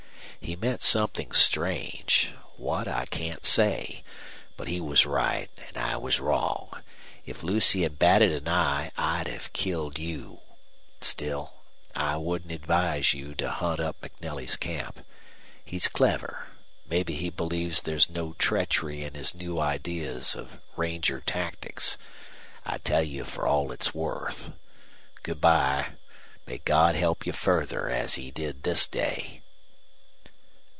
He meant something strange. What I can't say. But he was right, and I was wrong. If Lucy had batted an eye I'd have killed you. Still, I wouldn't advise you to hunt up MacNelly's camp. He's clever. Maybe he believes there's no treachery in his new ideas of ranger tactics. I tell you for all it's worth. Good by. May God help you further as he did this day!"